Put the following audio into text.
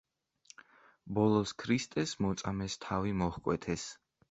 ბოლოს ქრისტეს მოწამეს თავი მოჰკვეთეს.